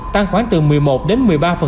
tăng khoảng từ một mươi một đến một mươi ba